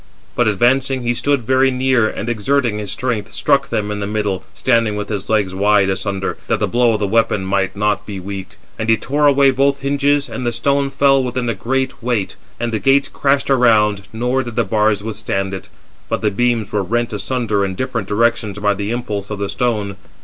But advancing, he stood very near, and exerting his strength, struck them in the middle, standing with his legs wide asunder, that the blow of the weapon might not be weak. And he tore away both hinges, and the stone fell within with a great weight; and the gates crashed around; nor did the bars withstand it, but the beams were rent asunder in different directions by the impulse of the stone.